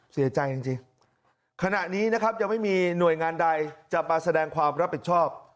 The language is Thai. เสียใจจริงขณะนี้นะครับยังไม่มีหน่วยงานใดจะมาแสดงความรับผิดชอบ